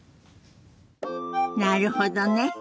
なるほどね。